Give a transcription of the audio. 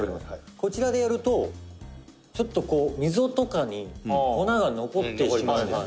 「こちらでやるとちょっと、こう、溝とかに粉が残ってしまいます」